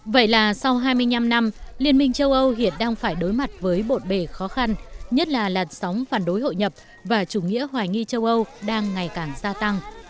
vậy là sau hai mươi năm năm liên minh châu âu hiện đang phải đối mặt với bộn bề khó khăn nhất là làn sóng phản đối hội nhập và chủ nghĩa hoài nghi châu âu đang ngày càng gia tăng